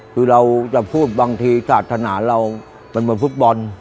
คือเราจะพูดบางทีศาสนาเรามันเหมือนฟุตบอล